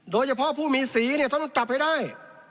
โดยเฉพาะผู้มีสีเนี่ยต้องจับให้ได้